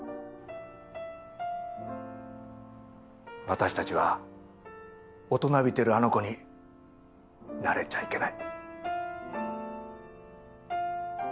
私たちは大人びてるあの子に慣れちゃいけない。